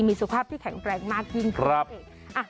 มีสุขภาพที่แข็งแรงมากยิ่งขึ้นนั่นเอง